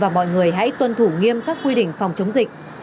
và mọi người hãy tuân thủ nghiêm các quy định phòng chống dịch